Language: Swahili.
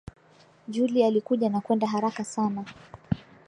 Julie alikuja na kwenda haraka sana